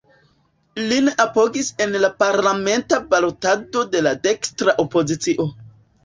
Lin apogis en la parlamenta balotado la dekstra opozicio.